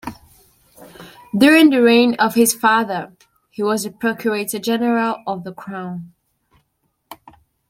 During the reign of his father, he was the procurator general of the Crown.